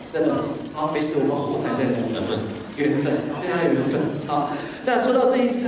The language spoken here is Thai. พวกเขาถูกกำลังไป